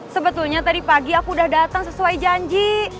sebetulnya tadi pagi aku udah datang sesuai janji